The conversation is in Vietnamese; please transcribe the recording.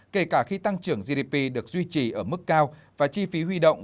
kể cả khi tăng trưởng gdp được duy trì ở mức cao và chi phí huy động